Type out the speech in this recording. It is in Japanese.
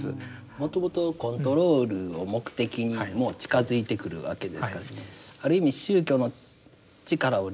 もともとコントロールを目的にもう近づいてくるわけですからある意味宗教の力を利用してるといいますか。